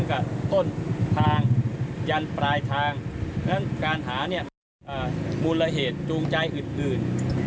การปลายทางการหามูลเหตุจูงใจอึดอื่น